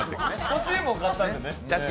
欲しいもの買ったんでね。